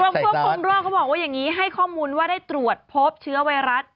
ควบคุมโรคเขาบอกว่าอย่างนี้ให้ข้อมูลว่าได้ตรวจพบเชื้อไวรัส